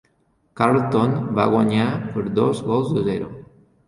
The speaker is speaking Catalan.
Carlton va guanyar per dos gols a zero.